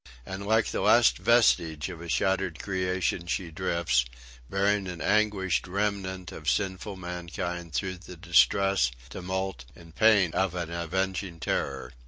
And like the last vestige of a shattered creation she drifts, bearing an anguished remnant of sinful mankind, through the distress, tumult, and pain of an avenging terror.